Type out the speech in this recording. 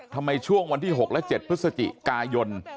ทำไมช่วงวันที่๖และ๗พฤศจิกายน